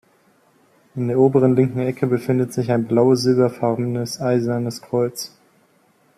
In der oberen linken Ecke befindet sich ein blau-silber-farbenes Eisernes Kreuz.